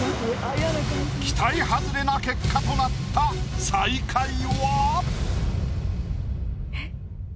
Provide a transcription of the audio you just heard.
期待外れな結果となったえっ？